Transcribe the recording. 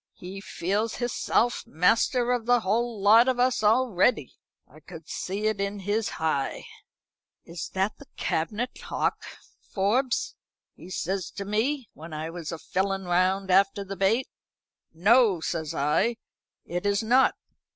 "He feels hisself master of the whole lot of us already. I could see it in his hi. 'Is that the cabinet 'ock, Forbes?' he says to me, when I was a filling round after the bait. 'No,' says I, 'it is not.